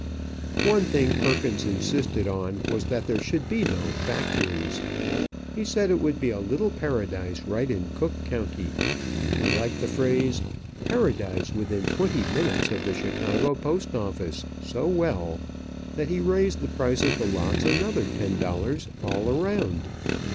One thing Perkins insisted on was that there should be no factories. He said it would be a little paradise right in Cook County. He liked the phrase, "Paradise within Twenty Minutes of the Chicago Post office," so well that he raised the price of the lots another ten dollars all around.